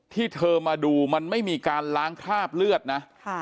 ที่เธอมาดูมันไม่มีการล้างคราบเลือดนะ